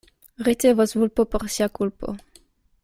Ricevos vulpo por sia kulpo.